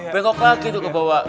bengkok lagi tuh ke bawah